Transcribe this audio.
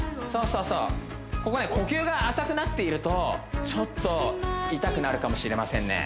そうそうここね呼吸が浅くなっているとちょっと痛くなるかもしれませんね